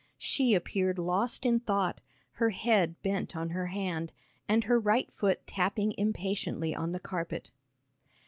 She appeared lost in thought, her head bent on her hand, and her right foot tapping impatiently on the carpet.